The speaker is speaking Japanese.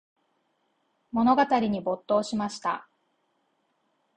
物語に没頭しました。